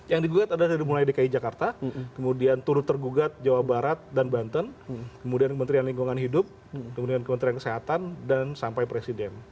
yang digugat adalah dari mulai dki jakarta kemudian turut tergugat jawa barat dan banten kemudian kementerian lingkungan hidup kemudian kementerian kesehatan dan sampai presiden